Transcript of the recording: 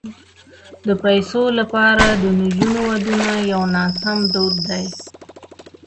د پيسو لپاره د نجونو ودونه یو ناسم دود دی.